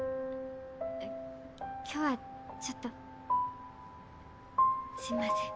今日はちょっとすいません。